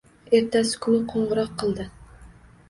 Ertasi kuni qo`ng`iroq qildi